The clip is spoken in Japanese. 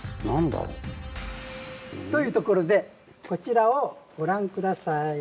何だろう？というところでこちらをご覧下さい。